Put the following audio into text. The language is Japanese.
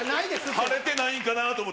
晴れてないんかな？と思った？